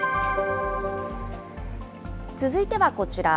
続いてはこちら。